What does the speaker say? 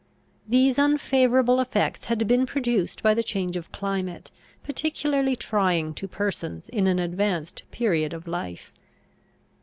These unfavourable effects had been produced by the change of climate, particularly trying to persons in an advanced period of life.